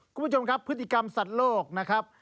คุณผู้ชมครับพฤติกรรมสัตว์โลกนะครับ